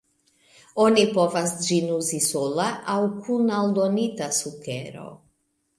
Oni povas ĝin uzi sola aŭ kun aldonita sukero.